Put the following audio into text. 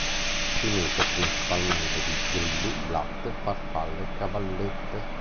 Si nutre principalmente di grilli, blatte, farfalle e cavallette.